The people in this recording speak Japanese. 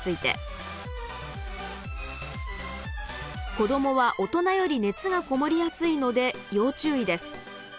子どもは大人より熱が籠もりやすいので要注意です。